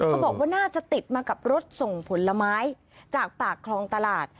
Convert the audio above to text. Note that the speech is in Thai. เขาบอกว่าน่าจะติดมากับรถส่งผลไม้จากปากคลองตลาด